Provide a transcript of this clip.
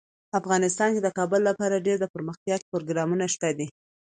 افغانستان کې د کابل لپاره ډیر دپرمختیا پروګرامونه شته دي.